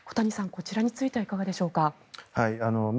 こちらについてはいかがでしょうか。